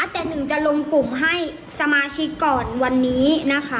แต่หนึ่งจะลงกลุ่มให้สมาชิกก่อนวันนี้นะคะ